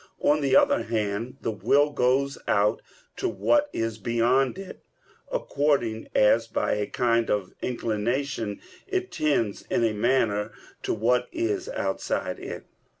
On the other hand, the will goes out to what is beyond it, according as by a kind of inclination it tends, in a manner, to what is outside it.